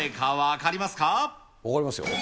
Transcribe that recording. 分かりますよ。